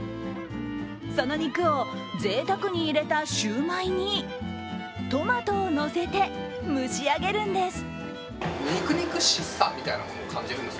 その肉をぜいたくに入れたシュウマイにトマトをのせて蒸し上げるんです。